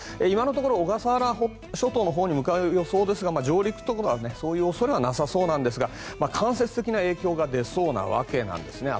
今のところ小笠原諸島のほうに向かう予想ですが上陸とかそういう恐れはなさそうなんですが間接的な影響が出そうなわけなんです。